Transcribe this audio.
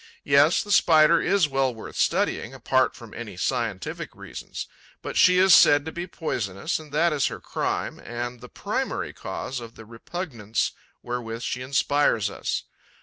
Yes, the Spider is well worth studying, apart from any scientific reasons; but she is said to be poisonous and that is her crime and the primary cause of the repugnance wherewith she inspires us.